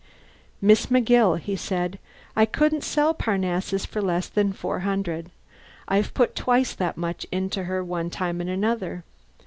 "Miss McGill," he said, "I couldn't sell Parnassus for less than four hundred. I've put twice that much into her, one time and another.